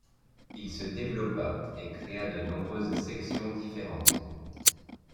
Il se développa et créa de nombreuses sections différentes.